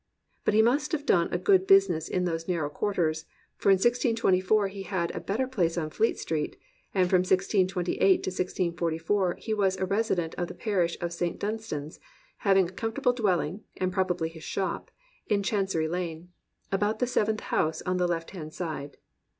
But he must have done a good business in those narrow quarters; for in 1624 he had a better place on Fleet Street, and from 1628 to 1644 he was a resident of the parish of St. Dun stan's, having a comfortable dwelling (and probably his shop) in Chancery Lane, "about the seventh house on the left hand side."